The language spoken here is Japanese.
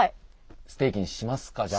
ステーキにしますかじゃあ。